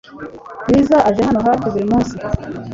Bwiza aje hano hafi buri munsi .